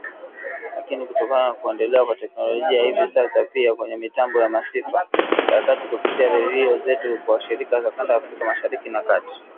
Lakini kutokana na kuendelea kwa teknolojia hivi sasa tunatangaza kupitia pia kwenye mitambo ya Masafa ya kati kupitia redio zetu kwa shirika za kanda ya Afrika Mashariki na Kati